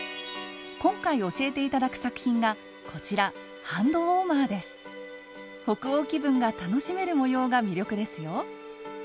今回教えていただく作品がこちら北欧気分が楽しめる模様が魅力ですよ。